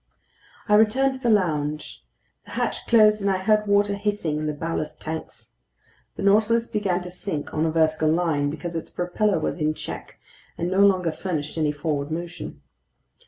I returned to the lounge. The hatch closed, and I heard water hissing in the ballast tanks. The Nautilus began to sink on a vertical line, because its propeller was in check and no longer furnished any forward motion.